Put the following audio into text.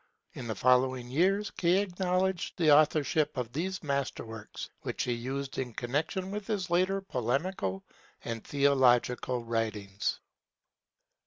In the following years, K. acknowledged the authorship of these masterworks, which he used in connection with his later polemical and theological writings.